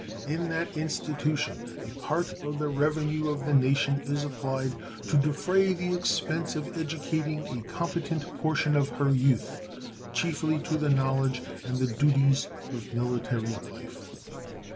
In that institution a part of the revenue of the nation is applied to defray the expense of educating a competent portion of her youth chiefly to the knowledge and the duties of military life.